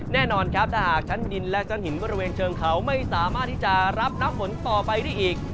แน่นอนครับถ้าหากชั้นดินและชั้นหินบริเวณเชิงเขาไม่สามารถที่จะรับน้ำฝนต่อไปได้อีก